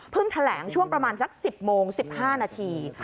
แถลงช่วงประมาณสัก๑๐โมง๑๕นาที